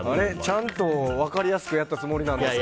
ちゃんと分かりやすくやったつもりなんですけど。